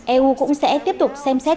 eu cũng sẽ tiếp tục xem xét